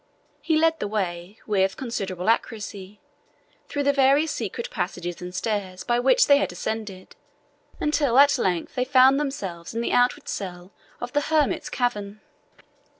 He led the way, with considerable accuracy, through the various secret passages and stairs by which they had ascended, until at length they found themselves in the outward cell of the hermit's cavern.